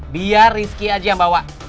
biar rizky aja yang bawa